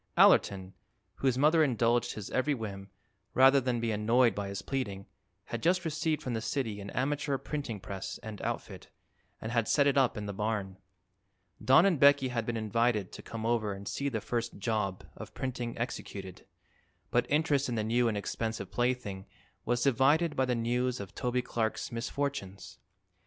Allerton, whose mother indulged his every whim, rather than be annoyed by his pleading, had just received from the city an amateur printing press and outfit and had set it up in the barn. Don and Becky had been invited to come over and see the first "job" of printing executed, but interest in the new and expensive plaything was divided by the news of Toby Clark's misfortunes.